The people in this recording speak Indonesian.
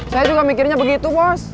saya juga mikirnya begitu bos